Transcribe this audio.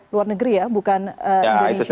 luar negeri ya bukan indonesia